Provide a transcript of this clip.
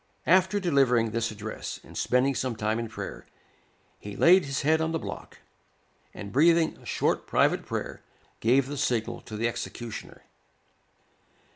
After delivering this address, and spending some time in prayer, he laid his head on the block, and breathing a short private prayer, gave the signal to the executioner.